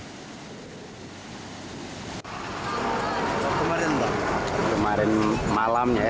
kemarin malamnya ya